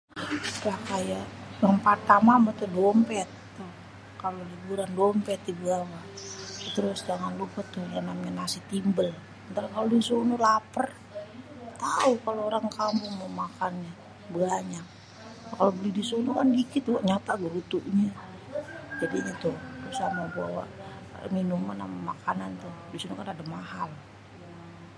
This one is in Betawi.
Yang pertama butuh dompet, kalo liburan dompet dibawa, trus jangan lupa tuh yang namanya nasi timbel. Ntar kalo di sono laper tau kalo orang kampung mao makannya banyak. Kalo beli di sono kan dikit nyata baru itunya, jadinya tuh sama bawa minuman ama makanan, kalo di sono kan rada mahal.